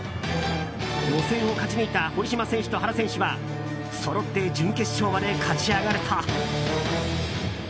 予選を勝ち抜いた堀島選手と原選手はそろって準決勝まで勝ち上がると。